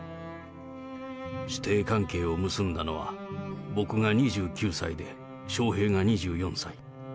師弟関係を結んだのは、僕が２９歳で、笑瓶が２４歳。